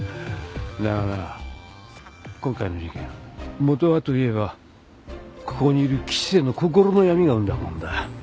だが今回の事件元はといえばここにいる吉瀬の心の闇が生んだもんだ。